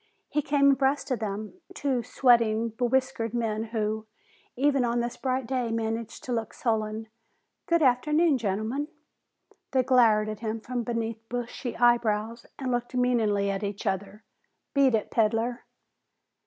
He came abreast of them, two sweating, bewhiskered men who, even on this bright day, managed to look sullen. "Good afternoon, gentlemen." They glowered at him from beneath bushy eyebrows, and looked meaningly at each other. "Beat it, peddler."